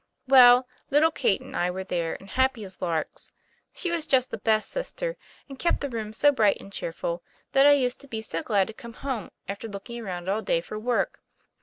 Well, little Kate and I were there and happy as larks. She was just the best sister, and kept the rooms so bright and cheerful that I used to be so glad to come home after looking around alt day for work!